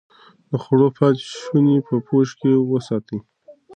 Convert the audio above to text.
د خوړو پاتې شوني په پوښ کې وساتئ.